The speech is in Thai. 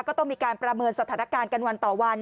ก็ต้องมีการประเมินสถานการณ์กันวันต่อวัน